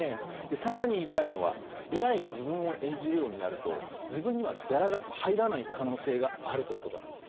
更に痛いのはＡＩが自分を演じるようになると自分にはギャラが入らない可能性があるということなんです。